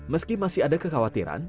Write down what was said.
meski masih ada kekhawatiran